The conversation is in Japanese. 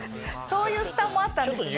そういう負担もあったんですね。